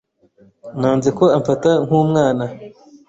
Nanze ko amfata nk'umwana.